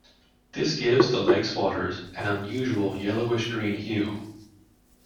This gives the lake's waters an unusual yellowish-green hue.